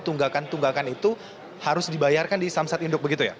tunggakan tunggakan itu harus dibayarkan di samsat induk begitu ya